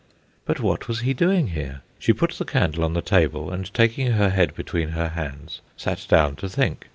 But what was he doing here? She put the candle on the table, and taking her head between her hands sat down to think.